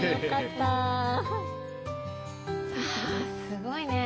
すごいね。